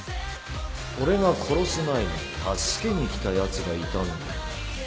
俺が殺す前に助けに来たやつがいたんだよ